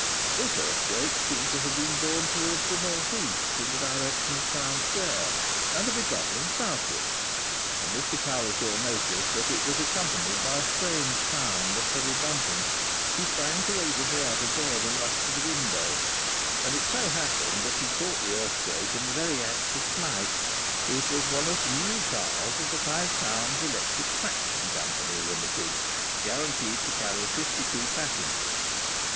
This earthquake seemed to have been born towards the north east, in the direction of Crown Square, and to be travelling southwards; and Mr Cowlishaw noticed that it was accompanied by a strange sound of heavy bumping. He sprang courageously out of bed and rushed to the window. And it so happened that he caught the earthquake in the very act of flight. It was one of the new cars of the Five Towns Electric Traction Company, Limited, guaranteed to carry fifty two passengers.